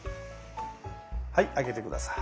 はい上げて下さい。